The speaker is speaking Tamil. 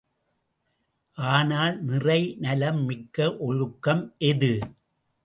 ஆனால் நிறை நலம் மிக்க ஒழுக்கம் எது?